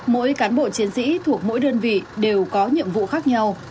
mỗi cán bộ chiến sĩ thuộc mỗi đơn vị đều có nhiệm vụ khác nhau